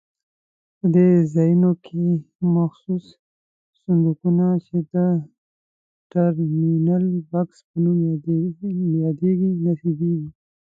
په دې ځایونو کې مخصوص صندوقونه چې د ټرمینل بکس په نوم یادېږي نصبېږي.